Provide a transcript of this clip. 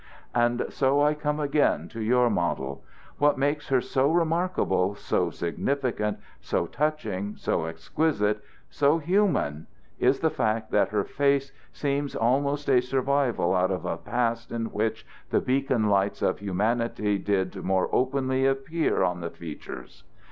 "And so I come again to your model. What makes her so remarkable, so significant, so touching, so exquisite, so human, is the fact that her face seems almost a survival out of a past in which the beacon lights of humanity did more openly appear on the features.